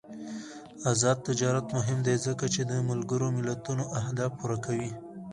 آزاد تجارت مهم دی ځکه چې د ملګرو ملتونو اهداف پوره کوي.